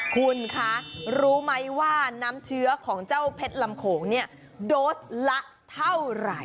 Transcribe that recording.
คุณคะรู้ไหมว่าน้ำเชื้อของเจ้าเพชรลำโขงเนี่ยโดสละเท่าไหร่